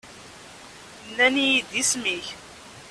Nnan-iyi-d isem-ik.